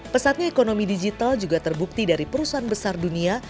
pesatnya ekonomi digital juga terbukti dari perusahaan besar dunia